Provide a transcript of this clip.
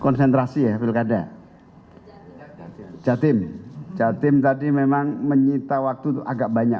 nanti kalau bocor ketahuan hovifah bahaya